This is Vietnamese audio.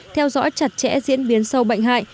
theo dõi chặt chẽ diễn biến sâu bệnh hại